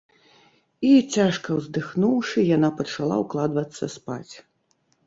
- I, цяжка ўздыхнуўшы, яна пачала ўкладвацца спаць.